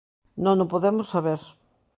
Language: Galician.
Non o podemos saber.